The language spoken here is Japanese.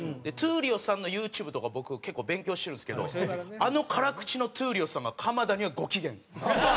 闘莉王さんのＹｏｕＴｕｂｅとか僕結構勉強してるんですけどあの辛口の闘莉王さんが鎌田にはご機嫌。